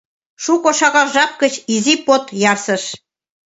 Шуко-шагал жап гыч изи под ярсыш.